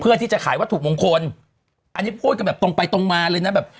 ที่จะขายวัตถุมงคลอันนี้พูดกันแบบตรงไปตรงมาเลยนะแบบ